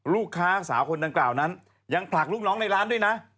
ลูกค้าสาวคนดังกล่าวนั้นยังผลักลูกน้องในร้านด้วยนะ